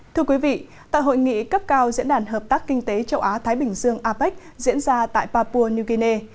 thưa quý vị tại hội nghị cấp cao diễn đàn hợp tác kinh tế châu á thái bình dương apec diễn ra tại papua new guinea